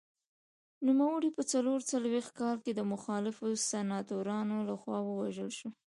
نوموړی په څلور څلوېښت کال کې د مخالفو سناتورانو لخوا ووژل شو.